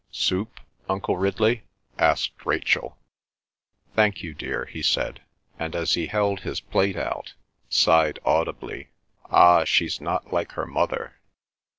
"Soup, Uncle Ridley?" asked Rachel. "Thank you, dear," he said, and, as he held his plate out, sighed audibly, "Ah! she's not like her mother."